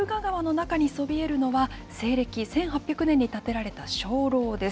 ボルガ川の中にそびえるのは西暦１８０６年に建てられた鐘楼です。